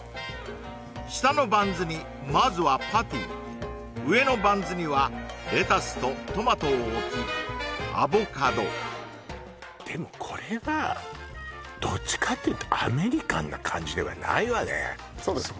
下のバンズにまずはパティ上のバンズにはレタスとトマトを置きアボカドでもこれはどっちかというとそうですね